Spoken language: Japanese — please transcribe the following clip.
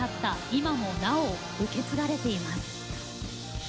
今もなお受け継がれています。